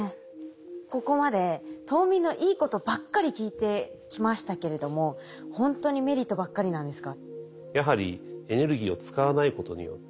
ここまで冬眠のいいことばっかり聞いてきましたけれどもほんとにメリットばっかりなんですか？